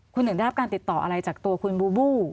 คุณหนึ่งได้รับการติดต่ออะไรจากตัวคุณบูบู